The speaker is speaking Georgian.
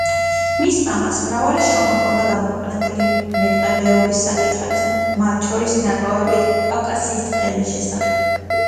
მის მამას მრავალი შრომა ჰქონდა გამოქვეყნებული მეტყევეობის საკითხებზე, მათ შორის „ნარკვევები კავკასიის ტყეების შესახებ“.